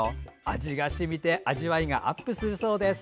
味が染みて味わいがアップするそうです。